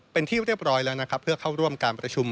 เป็นที่เรียบร้อยแล้วนะครับเพื่อเข้าร่วมการประชุม